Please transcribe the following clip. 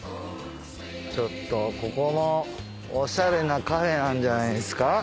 ちょっとここもオシャレなカフェなんじゃないですか？